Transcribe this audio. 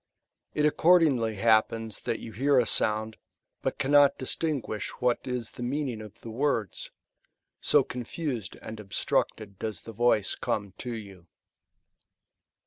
It accordingly happens that you hear a sound, but cannot distinguish what is the meaning of the words ;^ so confused and obstructed does the voice come to you.